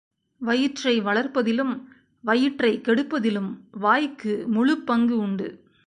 வயிற்றை வளர்ப்பதிலும் வயிற்றைக் கெடுப்பதிலும், வாய்க்கு முழுப்பங்கு உண்டு.